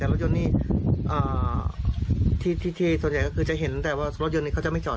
รถยนต์นี่ที่ส่วนใหญ่ก็คือจะเห็นแต่ว่ารถยนต์นี้เขาจะไม่จอด